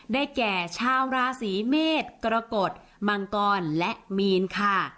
ได้แก่ชาวราศีเมษกรกฎมังกรและมีนค่ะ